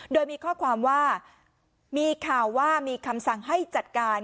โดยมีข้อความว่ามีข่าวว่ามีคำสั่งให้จัดการ